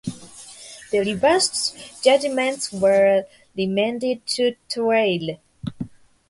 The reversed judgments were remanded to trial.